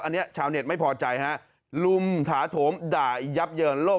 อันนี้ชาวเน็ตไม่พอใจฮะลุมถาโถมด่ายับเยินโลก